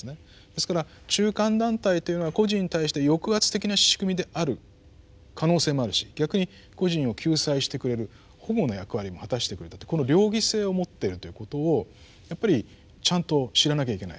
ですから中間団体というのは個人に対して抑圧的な仕組みである可能性もあるし逆に個人を救済してくれる保護の役割も果たしてくれたってこの両義性を持ってるということをやっぱりちゃんと知らなきゃいけないと。